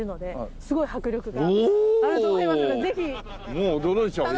もう驚いちゃうよ